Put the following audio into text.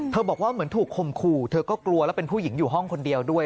บอกว่าเหมือนถูกคมขู่เธอก็กลัวแล้วเป็นผู้หญิงอยู่ห้องคนเดียวด้วย